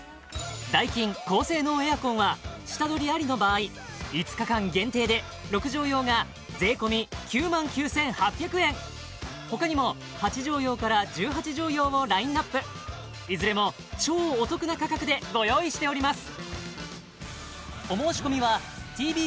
ダイキン高性能エアコンは下取りありの場合他にも８畳用から１８畳用をラインナップいずれも超お得な価格でご用意しております